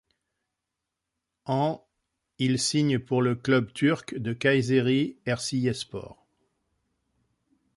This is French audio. En il signe pour le club turc de Kayseri Erciyesspor.